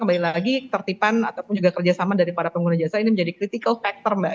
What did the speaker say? kembali lagi ketertiban ataupun juga kerjasama dari para pengguna jasa ini menjadi critical factor mbak